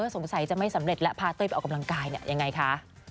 สงสัยจะไม่สำเร็จแล้วพาเต้ยไปออกกำลังกายเนี่ยยังไงคะ